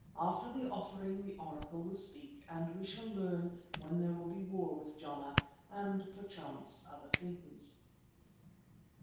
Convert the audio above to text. After the offering the Oracle will speak and we shall learn when there will be war with Jana, and perchance other things."